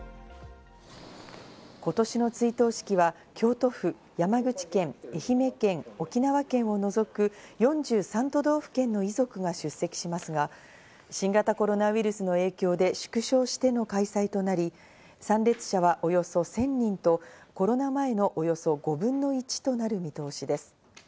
今年の追悼式は京都府、山口県、愛媛県、沖縄県を除く４３都道府県の遺族が出席しますが、新型コロナウイルスの影響で縮小しての開催となり、参列者はおよそ１０００人と、コロナ前のおよそ５分の１となる見通しです。